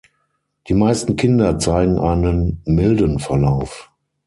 Die meisten Kinder zeigen einen milden Verlauf.